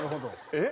えっ？